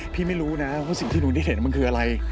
ไม่รู้นะว่าสิ่งที่หนูได้เห็นมันคืออะไร